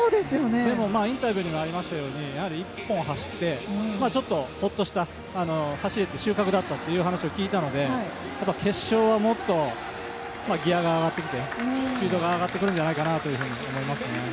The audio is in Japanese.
でも、インタビューにありましたように１本走ってちょっとほっとして走れて収穫になったと聞いたので、決勝はもっとギアが上がってきてスピードが上がってくるんじゃないかなと思いますね。